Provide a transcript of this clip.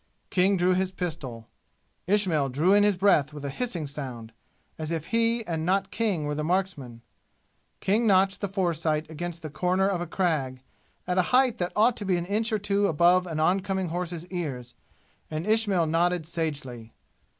King drew his pistol. Ismail drew in his breath with a hissing sound, as if he and not King were the marksman. King notched the foresight against the corner of a crag, at a height that ought to be an inch or two above an oncoming horse's ears, and Ismail nodded sagely.